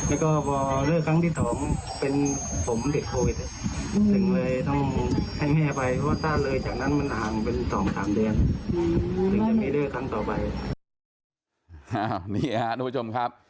อ้าวนี่ค่ะตัวผู้ชมครับ